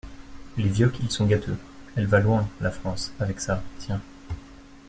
les vioques ils sont gâteux. Elle va loin, la France, avec ça, tiens.